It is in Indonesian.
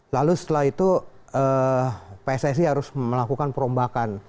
lalu setelah itu pssi harus melakukan perombakan